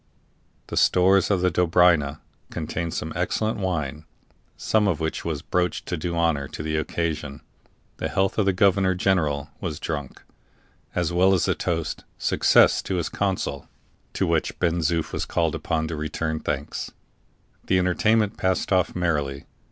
The stores of the Dobryna contained some excellent wine, some of which was broached to do honor to the occasion. The health of the governor general was drunk, as well as the toast "Success to his council," to which Ben Zoof was called upon to return thanks. The entertainment passed off merrily.